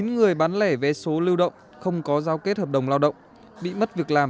bảy mươi chín người bán lẻ vé số lưu động không có giao kết hợp đồng lao động bị mất việc làm